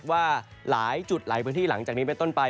ว่าหลายจุดหลายพื้นที่หลังจากนี้เป็นต้นไป